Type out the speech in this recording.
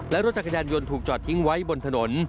และรถจักรยานยนต์ถูกจอดทิ้งไว้บนถนน